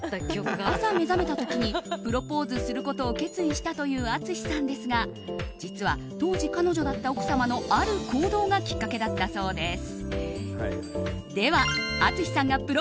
朝、目覚めた時にプロポーズすることを決意したという淳さんですが実は当時、彼女だった奥様のある行動がきっかけだったそうです。